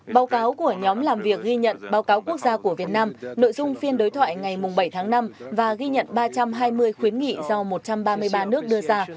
báo cáo của nhóm làm việc ghi nhận báo cáo quốc gia của việt nam nội dung phiên đối thoại ngày bảy tháng năm và ghi nhận ba trăm hai mươi khuyến nghị do một trăm ba mươi ba nước đưa ra